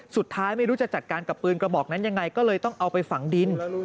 สุดท้ายไม่รู้จะจัดการกับปืนกระบอกนั้นยังไงก็เลยต้องเอาไปฝังดิน